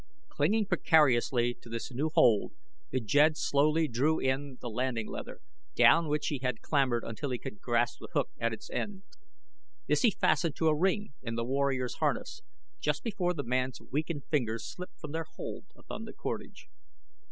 Clinging precariously to this new hold the jed slowly drew in the landing leather, down which he had clambered until he could grasp the hook at its end. This he fastened to a ring in the warrior's harness, just before the man's weakened fingers slipped from their hold upon the cordage.